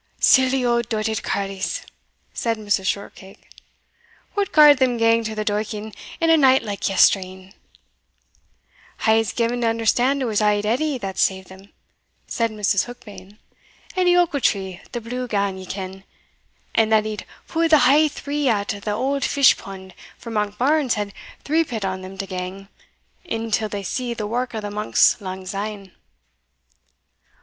"Silly auld doited carles!" said Mrs. Shortcake; "what gar'd them gang to the douking in a night like yestreen!" "I was gi'en to understand it was auld Edie that saved them," said Mrs. Heukbane "Edie Ochiltree, the Blue Gown, ye ken; and that he pu'd the hale three out of the auld fish pound, for Monkbarns had threepit on them to gang in till't to see the wark o' the monks lang syne."